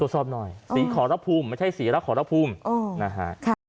ตรวจสอบหน่อยสีขอรับภูมิไม่ใช่สีรักขอรับภูมิ